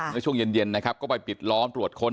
ในช่วงเย็นนะครับก็ไปปิดล้อมรวดค้น